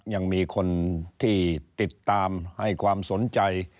ยังมีคนที่ติดตามให้ความสนใจ